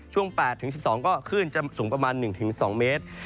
ช่วง๘๑๒ก็คลื่นจะสูงประมาณ๑๒เมตร